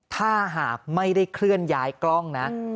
ถ้าหากไม่ได้เคลื่อนย้ายกล้องนะ